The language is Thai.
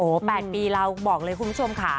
โอ้โห๘ปีเราบอกเลยคุณผู้ชมค่ะ